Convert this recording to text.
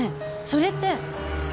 それって。